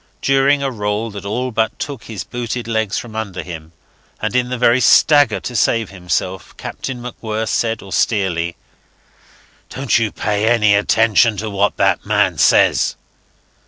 During a roll that all but took his booted legs from under him, and in the very stagger to save himself, Captain MacWhirr said austerely, "Don't you pay any attention to what that man says."